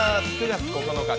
９月９日